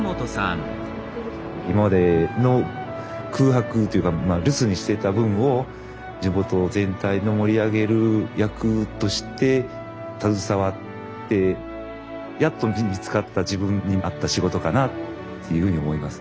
今までの空白っていうか留守にしてた分を地元全体の盛り上げる役として携わってやっと見つかった自分に合った仕事かなっていうふうに思います。